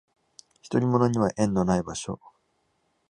独り者には縁のない場所